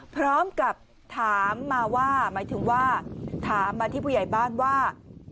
พร้อมกับถามมาว่าหมายถึงว่าถามมาที่ผู้ใหญ่บ้านว่า